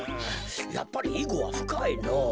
やっぱりいごはふかいのぉ。